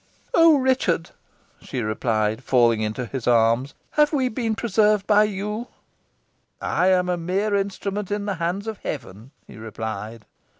"Oh, Richard!" she replied, falling into his arms, "have we been preserved by you?" "I am a mere instrument in the hands of Heaven," he replied.